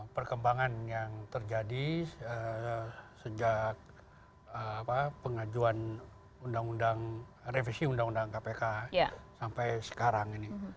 perkembangan yang terjadi sejak pengajuan undang undang revisi undang undang kpk sampai sekarang ini